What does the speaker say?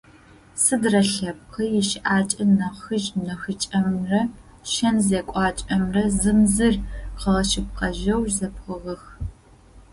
Сыдрэ лъэпкъи ищыӏакӏэ нахьыжъ-нахьыкӏэмрэ шэн-зекӏуакӏэмрэ зым зыр къыгъэшъыпкъэжьэу зэпхыгъэх.